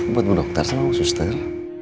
buat bu dokter sama bu suster